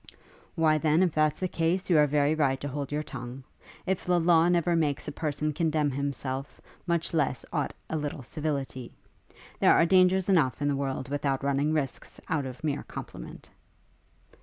'Why then, if that's the case, you are very right to hold your tongue. If the law never makes a person condemn himself, much less ought a little civility. There are dangers enough in the world without running risks out of mere compliment.'